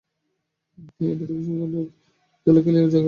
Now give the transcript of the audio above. হেই, এটা তো শ্রীকৃষ্ণের জলকেলী করার জায়গা।